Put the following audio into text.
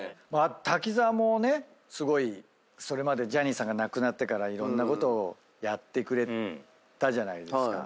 滝沢もねすごいそれまでジャニーさんが亡くなってからいろんなことをやってくれたじゃないですか。